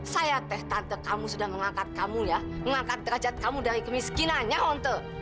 saya teh tante kamu sudah mengangkat kamu ya mengangkat derajat kamu dari kemiskinannya untuk